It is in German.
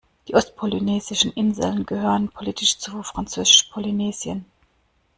Die ostpolynesischen Inseln gehören politisch zu Französisch-Polynesien.